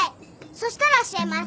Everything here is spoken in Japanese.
そしたら教えます。